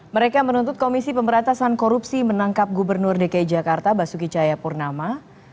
mereka menuntut komisi pemberantasan korupsi menangkap gubernur dki jakarta basuki cahayapurnama